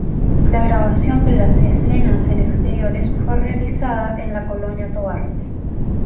La grabación de las escenas en exteriores fue realizada en la Colonia Tovar.